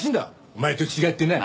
お前と違ってな。